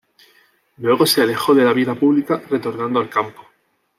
Luego, se alejó de la vida pública, retornando al campo.